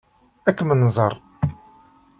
Ad kem-nẓer.